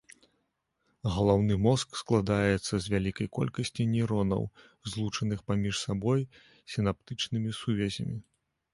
Галаўны мозг складаецца з вялікай колькасці нейронаў, злучаных паміж сабой сінаптычнымі сувязямі.